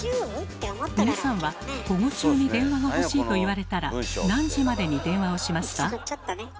皆さんは午後中に電話が欲しいと言われたら何時までに電話をしますか？